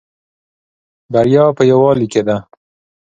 بریا په یوالی کې ده